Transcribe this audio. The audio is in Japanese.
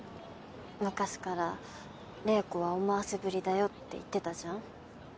昔から怜子は思わせぶりだよって言ってたじゃん？